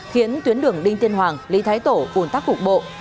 khiến tuyến đường đinh tiên hoàng lý thái tổ ủn tắc cục bộ